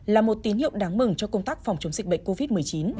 là một tín hiệu đáng mừng cho công tác phòng chống dịch bệnh covid một mươi chín